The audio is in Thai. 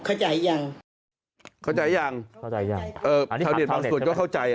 เข้าใจยังเข้าใจยังเข้าใจยังเออชาวเน็ตบางส่วนก็เข้าใจ